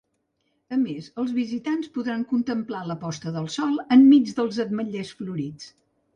A més, els visitants podran contemplar la posta de sol enmig dels ametllers florits.